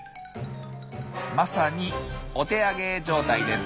まさにお手上げ状態です。